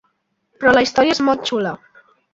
Però la història és molt xula.